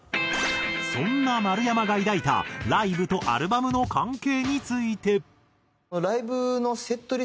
そんな丸山が抱いたライブとアルバムの関係について。